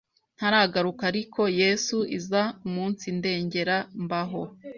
ntaragaruka ariko Yesu iza umunsindengera mbaho